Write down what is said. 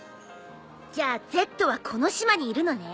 じゃあＺはこの島にいるのね？